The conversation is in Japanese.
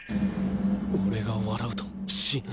俺が笑うと死ぬ！？